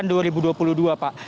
tahun dua ribu dua puluh dua pak